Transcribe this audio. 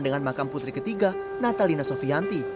dengan makam putri ketiga natalina sofianti